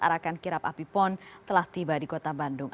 arakan kirap api pon telah tiba di kota bandung